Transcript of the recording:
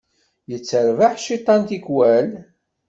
Yetterbaḥ cciṭan tikwal.